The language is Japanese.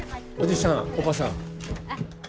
おじさんおばさん。